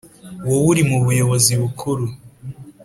Wowe uri mu buyobozi bukuru